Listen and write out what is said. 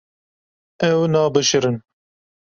Ew nabişirin.